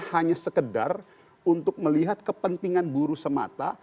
hanya sekedar untuk melihat kepentingan buruh semata